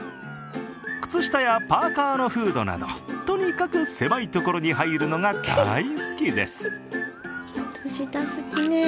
靴下やパーカーのフードなどとにかく狭いところに入るのが大好きです。